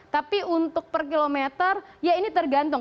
tapi untuk per kilometer ya ini tergantung